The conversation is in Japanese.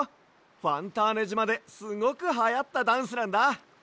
ファンターネじまですごくはやったダンスなんだ。